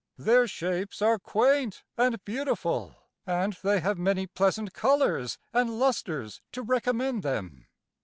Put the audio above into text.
Their shapes are quaint and beautiful, And they have many pleasant colours and lustres To recommend them.